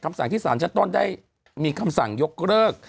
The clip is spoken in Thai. สั่งที่สารชั้นต้นได้มีคำสั่งยกเลิก